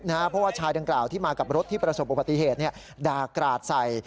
เพราะว่าชายดังกล่าวที่มากับรถที่ประสบอุบัติเหตุด่ากราดใส่